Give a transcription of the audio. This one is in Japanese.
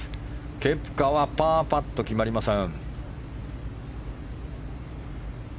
ケプカはパーパットが決まりません。